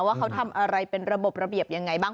ว่าเขาทำอะไรเป็นระบบระเบียบยังไงบ้าง